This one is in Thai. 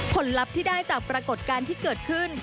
ลับที่ได้จากปรากฏการณ์ที่เกิดขึ้น